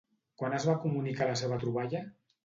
Quan es va comunicar la seva troballa?